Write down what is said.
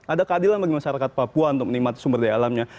ada keadilan bagi masyarakat papua untuk menikmati sumber daya alamnya